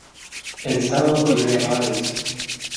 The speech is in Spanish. ¡El sábado iré a Valls!